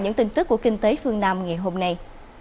những tin tức của kinh tế phương nam ngày hôm nay